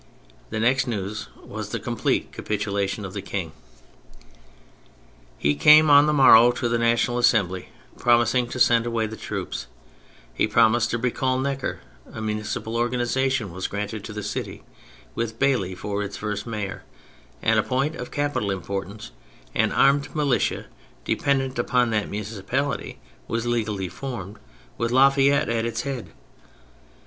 The next news was the complete capitulation of the King. He came on the morrow to the National Assembly, promising to send away the troops ; he promised to recall Necker, a municipal organisation was granted to the city, with Bailly for its first mayor, and — a point of capital importance — an armed militia depen dent upon that municipality was legally formed, with La Fayette at its head.